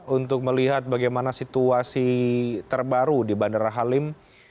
untuk melihat bagaimana situasi terbaru di bandara halim